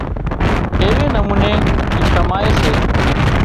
ايوي نموني اي ڪمائي سي